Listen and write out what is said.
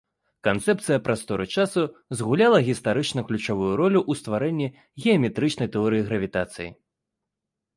Канцэпцыя прасторы-часу згуляла гістарычна ключавую ролю ў стварэнні геаметрычнай тэорыі гравітацыі.